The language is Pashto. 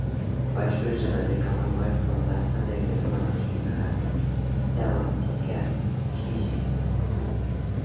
پښتو ژبه د کامن وایس په مرسته د ټکنالوژۍ نړۍ ته ور ټيکه کېږي.